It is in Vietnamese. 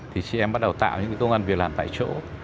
thì chị em bắt đầu tạo những cái công nhân việc làm tại chỗ